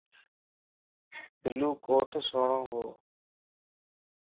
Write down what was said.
بلو ڪوٽ سھڻوو